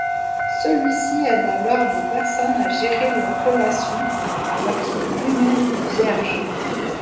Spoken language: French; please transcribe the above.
Celui-ci aide alors des personnes à gérer leurs relations, alors qu'il est lui-même vierge.